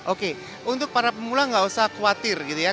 oke untuk para pemula gak usah khawatir gitu ya